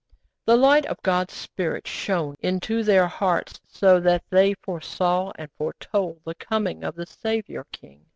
The light of God's Spirit shone into their hearts so that they foresaw and foretold the coming of the Saviour King.